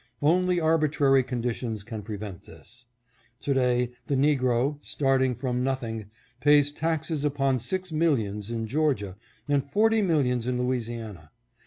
Only arbitrary conditions can prevent this. To day the negro, starting from nothing, pays taxes upon six millions in Georgia, and forty millions in Louisiana.